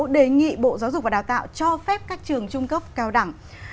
đề nghị bộ giáo dục và đào tạo cho phép các trường trung cấp cao đẳng